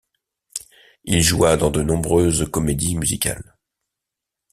Il joua dans de nombreuses comédies musicales.